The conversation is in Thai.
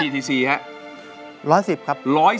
แต่ว่า๑๑๐ครับ